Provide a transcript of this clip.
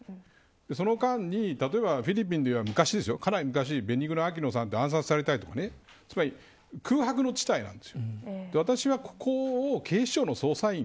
その間に例えばフィリピンでいえばかなり昔ベニグノ・アキノさんって暗殺されたりとかつまり、空白地帯です。